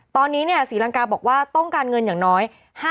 ตอนนี้ศรีลังกาบอกว่าต้องการเงินอย่างน้อย